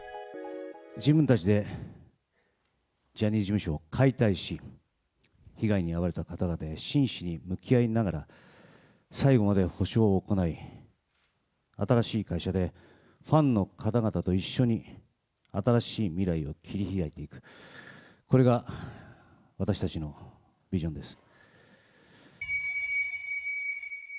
自分たちでジャニーズ事務所を解体し、被害に遭われた方々へ真摯に向き合いながら、最後まで補償を行い、新しい会社でファンの方々と一緒に、新しい未来を切り開いていく、これが私たちのビジョンです。